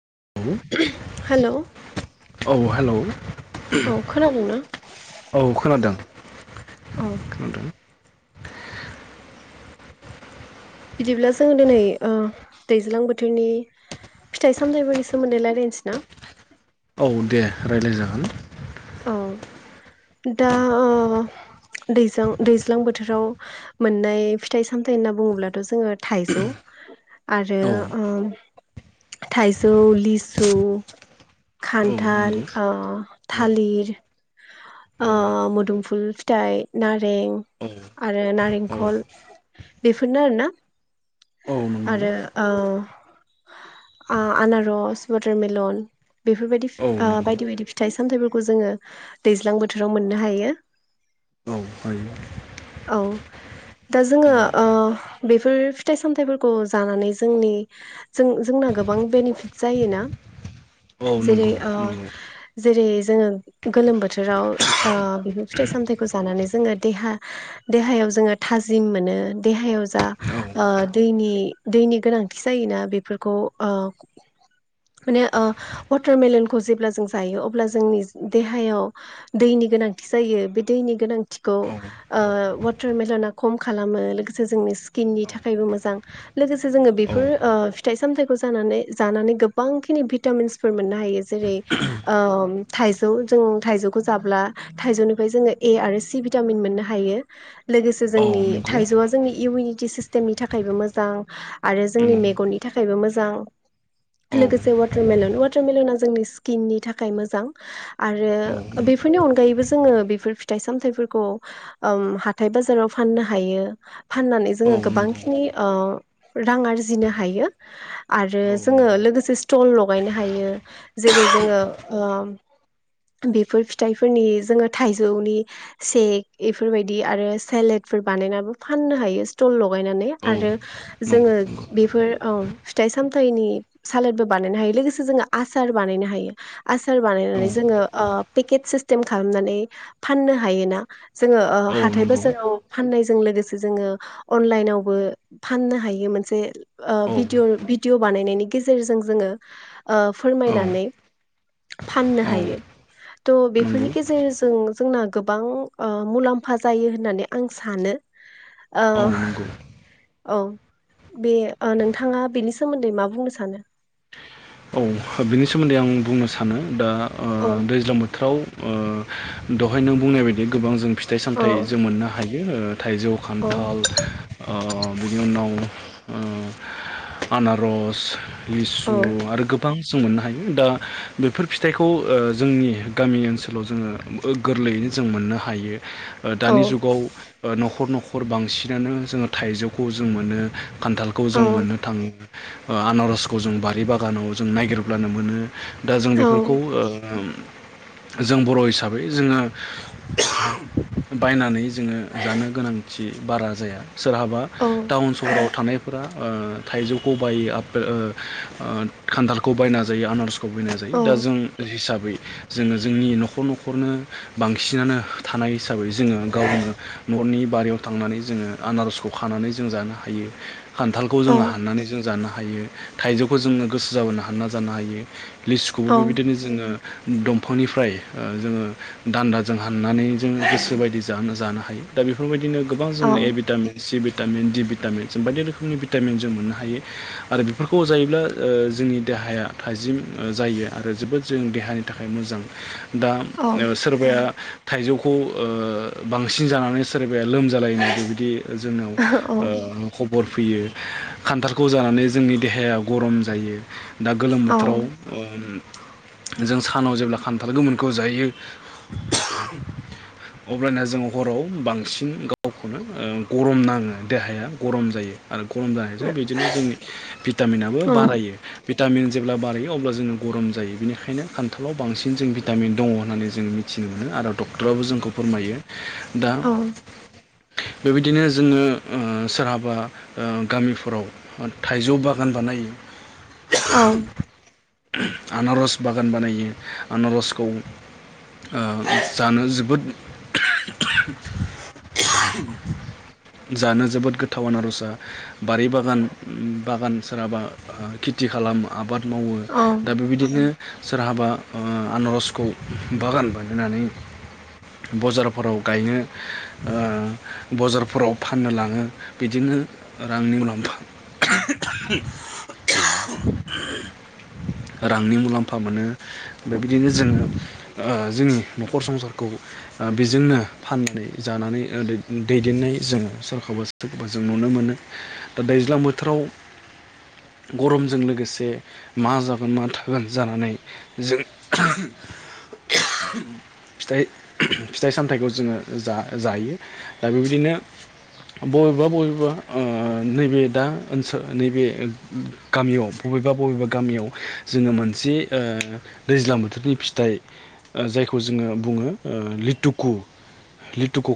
हेल' औ [unintelligible] औ हेलौ खोनादोंना औ खोनादों औ खोनादों। बिदिब्ला जों दिनै ओ दैज्लां बोथोरनि फिथाइ सामथायफोरनि सोमोन्दै लायरायनोसै ना औ दे रायलायजागोन अ दाअ दैज्लां दैज्लां बोथोराव मोननाय फिथाइ सामथाय होनना बुङोब्लाथ' जोङो थाइजौ आरो औ ओ थाइजौ, लिसु, औ खान्थाल, नंगौ ओ औ थालिर ओ औ मोदुमफुल फिथाइ नारें औ आरो औ नारेंखल बेफोरनो आरोना औ नंगौ आरो ओ आ आनारस वाटारमेलन बेफोरबायदि औ ओ नंगौ बायदि बायदि फिथाइ सामथाइफोरखौ जोङो दैज्लां बो थोराव मोननो हायो। औ हायो औ दा जोङो ओ बेफोर फिथाइ सामथाइफोरखौ जानानै जोंनि जोंना गोबां बेनिफिट जायोना औ जेरै नंगौ ओ नंगौ जेरै जोङो गोलोम बोथोराव ओ बेफोर फिथाइ सामथाइखौ जानानै जोङो देहा देहायाव जोङो थाजिम मोनो देहायाव जा औ ओ दैनि दैनि गोनांथि जायोना बेफोरखौ ओ माने ओ वाटारमेलनखौ जेब्ला जों जायो अब्ला जोंनि देहायाव दैनि गोनांथि जायो बे दैनि गोनांथिखौ औ ओ वाटारमेलना खम खालामो लोगोसे जोंनि स्किननि थाखायबो मोजां लोगोसे जोङो औ बेफोर ओ फिथाइ सामथाइखौ जानानै जानानै गोबांखिनि भिटामिन्सफोर मोननो हायो जेरै ओम थाइजौ जों थायजौ खौ जाब्ला थाइजौनिफ्राय जोङो ए आरो सि भिटामिन मोननो हायो लोगोसे औ जोंनि नंगौ थाइजौआ जोंनि इउनि टि सिस्टेमनि थाखायबो मोजां आरो जोंनि औ मेगननि थाखायबो मोजां औ लोगोसे वाटारमेलन वाटारमेलना जोंनि स्किननि थाखाय मोजां आरो औ नंगौ बेफोरनि अनगायैबो जोङो बेफोर फिथाइ सामथाइफोरखौ हाथाय बाजाराव फाननो हायो फाननानै औ जोङो नंगौ गोबांखिनि ओ रां आरजिनो हायो आरो औ जोङो नंगौ लोगोसे स्टल लगायनो हायो जेरै जोङो ओ बे फोर फिथाइफोरनि जोङो थाइजौनि सेक एफोरबायदि आरो सेलेदफोर बानायनाबो फाननो हायो स्टल' लगायनानै औ आरो नंगौ जोङो नंगौ बेफोर औ फिथाइ सामथाइनि सालादबो बानायनो हायो लोगोसे जोङो आसार बानायनो हायो आसार औ बानायनानै जोङो ओ पेकेेत सिस्टेम खालामनानै फाननो हायोना जोङो ओ औ हाथाय नंगौ बाजाराव फाननायजों लोगोसे जोङो अनलाइनावबो फाननो हायो मोनसे ओ औ भिदिअ भिडिअ बानायनायनि गेजेरजों जोङो ओ औ फोरमायनानै फाननो औ हायो। थ' नंगौ बेफोरनि गेजेरजों जोंना गोबां ओ मुलाम्फा जायो होननानै आं सानो। आ औ नंगौ औ बे ओ नोंथाङा बेनि सोमोन्दै मा बुंनो सानो? औ बिनि सोमोन्दै आं बुंनो सानो दा ओ औ दैज्लां बोथोराव ओ दहाय नों बुंनाय बायदि गोबां जों फिथाइ औ सामथाइ जों मोननो हा यो ओ थाइजौ, औ खान्थाल आ बिनि उनाव आ आनारस औ लिसु बां जों मोननो हायो दा बेफोर फिथाइखौ ओ जोंनि गामि ओनसोलाव जोङो गोरलैयैनो जों मोननो हायो। औ दानि जुगाव न'खर न'खर नखर बांसिनानो जोङो थाइजौखौ जों मोनो। खान्थालखौ जों मोननो थाङो। आनारसखौ जों बारि बा बागानाव जों नागिरब्लानो मोनो। दा जों औ बेफोरखौ ओ उम जों बर' हिसाबै जोङो बायनानै जोङो जानो गोनांथि बारा जाया। सोरहाबा टाउन सहराव थानायफोरा थाइजौखौ बायो। [inaudible] खान्थालखौ बायना जायो आनारस [unintelligible] जायो औ दा जों हिसाबै जोङो जोंनि न'खर न'खरनो बांसिनानो थानाय हिसाबै जोङो गावनो न'नि बारियाव थांनानै जोङो आनारसखौ खानानै जों जानो हायो। खान्थालखौ औ जोङो हाननानै जों जानो हा हायो थाइजौफखै जोङो गोसो जाबानो हानना जानो हायो। लिस्टखौबो बेबायदिनो जोङो दंफांनिफ्राय ओ जोङो दान्दाजों हाननानै जोङो गोसो बायदि जानो जानो हायो दा बेफोरबायदिनो गोबां औ जोंङ ए vitamin C vitamin D vitamin जों बायदि रोखोमनि भिटामिन जों मोननो हायो आरो बेफोरखौ जायोब्ला ओ जोंनि देहाया थाजिम जायो आरो जोबोद जों देहानि थाखाय मोजां। दा ओ सोरबाया थाइजौखौ ओ बांसिन जानानै सोरबाया लोमजालायनाय बिबदि जोंनाव औ ओ खबर फैयो। खान्थालखौ जानानै जोंनि देहाया गरम जायो। दा गोलोम बोथोराव ओम जों सानाव जेब्ला खान्थाल गोमोनखौ जायो अब्लाना जों हराव बांसिन गावखौनो गरम नाङो देहाया गरम जायो। आरो गरम जानायजों बिदिनो जोंनि भिटामिनाबो बारा भिटामिन जेब्ला बारायो अब्ला जोङो गरम जायो बेनिखायनो खान्थालाव बांसिन जों भिटामिन दङ होननानै जोङो मिथिनो मोनो। आरो डक्टराबो जोंखौ फोरमायो दा औ बेबायदिनो जोङो सोरहाबा गामिफोराव थाइजौ बागान बानायो। औ आनारस बागान बानायो आनारसखौ ओ जानो जोबोद जानो जोबोद गोथाव आनारसआ बारि बागान बागान सोरहाबा खेथि खालाम आबाद मावो औ औ दा बेबायदिनो सोरहाबा ओ आनारसखौ बागान बानायनानै बजारफोराव गायनो ओ बजारफोराव फाननो लाङो बिदिनो रांनि मुलाम्फा। रांनि मुलाम्फा मोनो बे बिदिनो जोङो ओ जोंनि नखर संसारखौ बेजोंनो फाननानै जानानै दैदेननाय जोङो सोरखौबा सोरखौबा जों नुनो मोनो दा दैज्लां बोथोराव गरमजों लोगोसे मा जागोन मा थागोन जानानै जों फिथाइ फिथाइ सामथाइखौ जोङो जा-जायो दा बेबायदिनो बबेबा बबेबा ओ नैबे दा ओनसो नैबे गामियाव बबेबा बबेबा गामियाव जोङो मोनसे ओ दैज्लां बोथोरनि फिथाइ जायखौ जोङो बुङो ओ लिटुकु लिुुटुकु